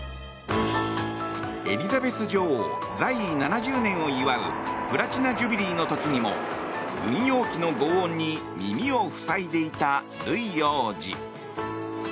エリザベス女王在位７０年を祝うプラチナ・ジュビリーの時にも軍用機の轟音に耳を塞いでいたルイ王子。